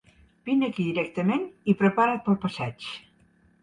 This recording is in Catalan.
Vine aquí directament, i prepara't pel passeig!